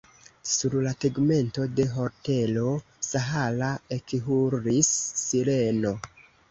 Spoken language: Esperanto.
Sur la tegmento de Hotelo Sahara ekhurlis sireno.